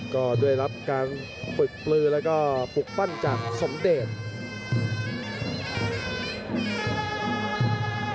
ก็ได้รับการฝึกปลือแล้วก็ปลุกปั้นจากสมเดช